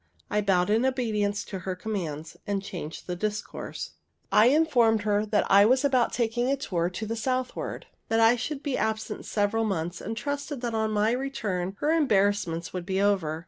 I bowed in obedience to her commands, and changed the discourse. I informed her that I was about taking a tour to the southward; that I should be absent several months, and trusted that on my return her embarrassments would be over.